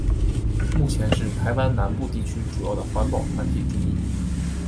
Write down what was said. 目前是台湾南部地区主要的环保团体之一。